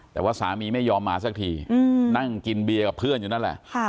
แต่ว่าสามีไม่ยอมมาสักทีนั่งกินเบียร์กับเพื่อนอยู่นั่นแหละ